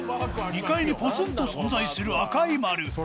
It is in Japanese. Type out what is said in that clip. ２階にポツンと存在する赤い丸。